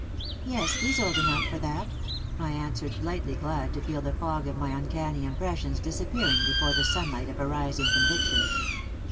"Yes, he's old enough for that," I answered, lightly, glad to feel the fog of my uncanny impressions disappearing before the sunlight of a rising conviction.